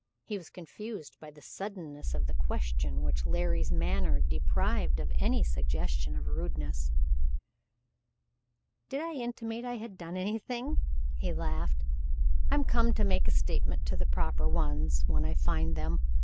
He was confused by the suddenness of the question, which Larry's manner deprived of any suggestion of rudeness. "Did I intimate I had done anything?" He laughed. "I'm come to make a statement to the proper ones when I find them.